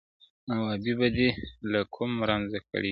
او ابۍ به دي له کوم رنځه کړیږي؛!